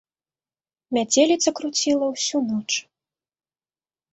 Мяцеліца круціла ўсю ноч.